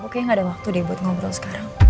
oke gak ada waktu deh buat ngobrol sekarang